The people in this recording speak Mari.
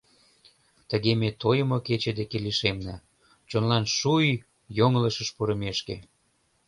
Тыге ме тойымо кече деке лишемна – чонлан шуй йоҥылышыш пурымешке.